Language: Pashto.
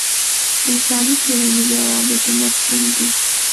انساني ټولنیزو روابطو مفهوم دی.